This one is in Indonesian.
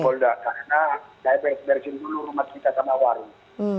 di mapolda karena saya beres bersin dulu rumah kita sama warung